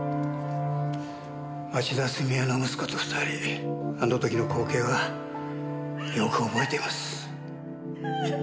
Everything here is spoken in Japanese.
町田純江の息子と２人あの時の光景はよく覚えています。